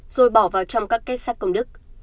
rồi bỏ vào trong các kết sát công đức